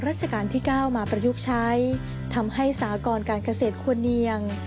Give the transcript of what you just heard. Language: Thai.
ราชการที่๙มาประยุกต์ใช้ทำให้สากรการเกษตรควรเนียง